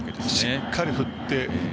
しっかり振って。